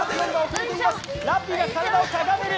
ラッピーが体をしゃがめる。